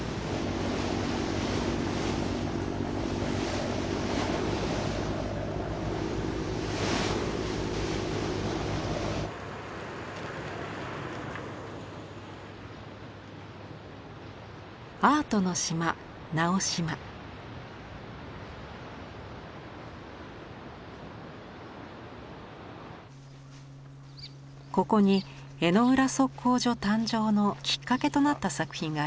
ここに江之浦測候所誕生のきっかけとなった作品があります。